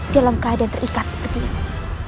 dalam keadaan terikat seperti ini